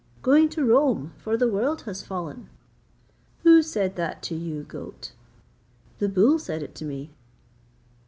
'Going to Rome, for the world has fallen.' 'Who said that to you, goat?' 'The bull said it to me.'